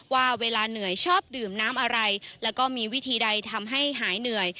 ว่าเวลาเหนื่อยชอบดื่มน้ำอะไรแล้วก็มีวิธีใดทำให้หายเหนื่อย